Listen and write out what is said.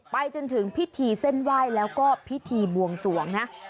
ไปจนถึงพิธีเส้นไหว้แล้วก็พิธีบวงสวงนะ